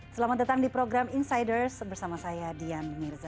selamat datang di program insiders bersama saya dian mirza